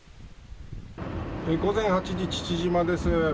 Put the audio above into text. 午前８時、父島です。